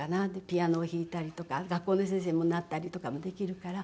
ピアノを弾いたりとか学校の先生にもなったりとかもできるから。